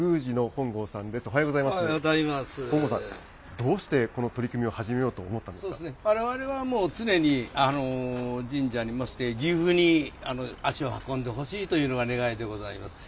本郷さん、どうしてこの取り組みわれわれはもう、常に神社にいまして、岐阜に足を運んでほしいというのが願いでございます。